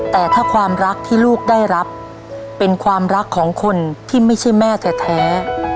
แต่ถ้าความรักที่ลูกได้รับเป็นความรักของคนที่ไม่ใช่แม่แท้